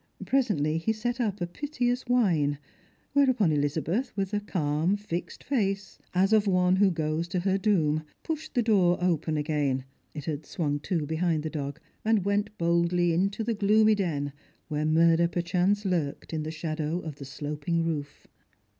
Presently he set up a piteous whine ; whereupon Elizabeth, with a calm fixed face, as of one who goes to her doom, pushed the door open again — it had swung to behind the dog — and went boldly into the gloomy den, where murder perchance lurked in the shadow of the sloping roof.